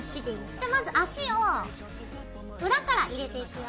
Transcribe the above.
じゃあまず足を裏から入れていくよ。